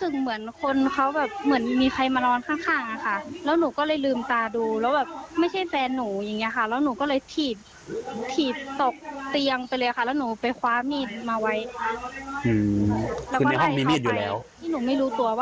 สิ่งในห้องมีมีดอยู่แล้ว